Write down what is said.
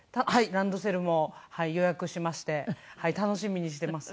ランドセルも予約しまして楽しみにしてます。